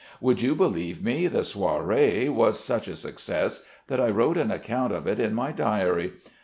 Would you believe me, the soiree was such a success that I wrote an account of it in my diary?